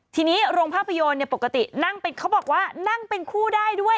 ทีนี้โรงภาพยนตร์ปกตินั่งเป็นเขาบอกว่านั่งเป็นคู่ได้ด้วย